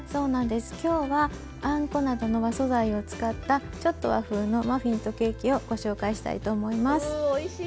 今日はあんこなどの和素材を使ったちょっと和風のマフィンとケーキをご紹介したいと思います。